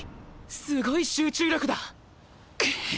すごい集中力だ！